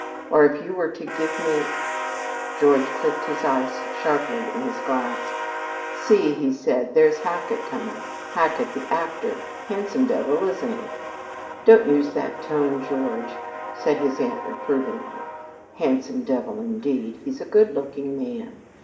Or if you were to give me " George clicked his ice sharply in his glass. "See," he said, "there's Hackett coming in Hackett the actor. Handsome devil, isn't he?" "Don't use that tone, George," said his aunt reprovingly. "Handsome devil, indeed! He's a good looking man.